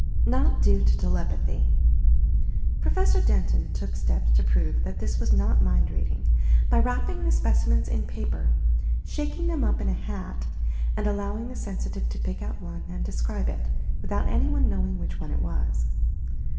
NOT DUE TO TELEPATHY Prof. Denton took steps to prove that this was not mind reading, by wrapping the specimens in paper, shaking them np in a hat, and allowing the sensitive to pick out one and describe it, without any one knowing which one it was.